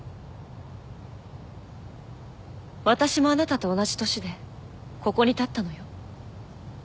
私もあなたと同じ年でここに立ったのよ。